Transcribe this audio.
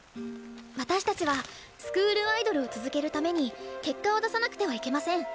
私たちはスクールアイドルを続けるために結果を出さなくてはいけません。